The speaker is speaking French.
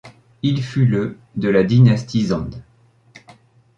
Il fut le de la dynastie Zand.